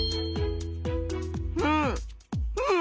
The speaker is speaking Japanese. うんうん！